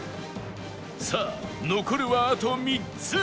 さあ残るはあと３つ